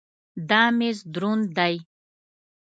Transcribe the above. دا مېز دروند دی.